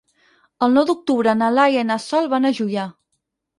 El nou d'octubre na Laia i na Sol van a Juià.